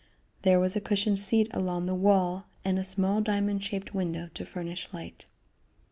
There was a cushioned seat along the wall and a small diamond shaped window to furnish light.